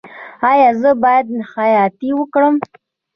ایا زه باید خیاطۍ وکړم؟